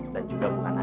dan juga bukan aja